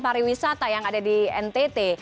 mungkin jualan pariwisata yang ada di ntt